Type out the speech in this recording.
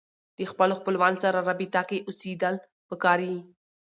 د خپلو خپلوانو سره رابطه کې اوسېدل پکار يي